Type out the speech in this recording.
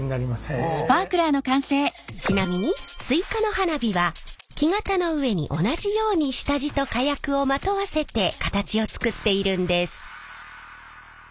ちなみにスイカの花火は木型の上に同じように下地と火薬をまとわせて形を作っているんです。